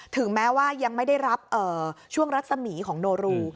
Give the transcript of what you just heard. ถึงแม้ว่ายังไม่ได้รับช่วงรัศมีของโนรู